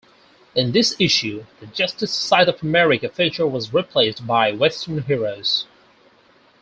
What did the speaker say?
In this issue, the "Justice Society of America" feature was replaced by Western heroes.